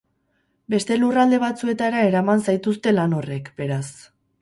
Beste lurralde batzuetara eraman zaituzte lan horrek, beraz.